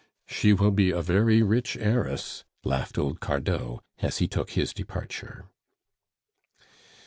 "She will be a very rich heiress," laughed old Cardot, as he took his departure.